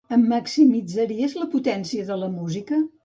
Em maximitzaries la potència de la música?